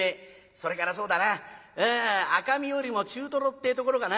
それからそうだな赤身よりも中トロってえところかな。